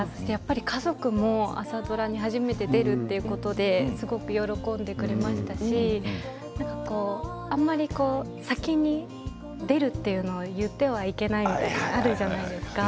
家族も朝ドラに初めて出るということですごく喜んでくれましたしあんまり先に出るというのを言ってはいけないみたいなのあるじゃないですか。